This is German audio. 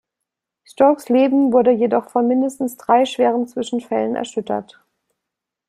Stokes Leben wurde jedoch von mindestens drei schweren Zwischenfällen erschüttert.